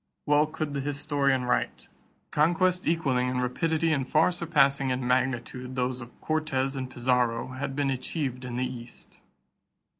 Well could the historian write: "Conquests equaling in rapidity and far surpassing in magnitude those of Cortes and Pizarro had been achieved in the East."